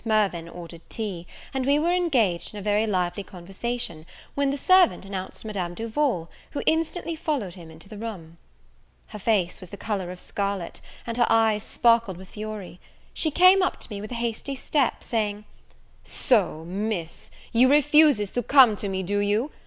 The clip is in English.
Mirvan ordered tea; and we were engaged in a very lively conversation, when the servant announced Madame Duval, who instantly followed him into the room. Her face was the colour of scarlet, and her eyes sparkled with fury. She came up to me with a hasty step, saying, "So, Miss, you refuses to come to me, do you?